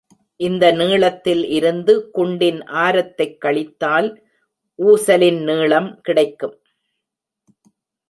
இந்த நீளத்தில் இருந்து குண்டின் ஆரத்தைக் கழித்தால் ஊசலின் நீளம் கிடைக்கும்.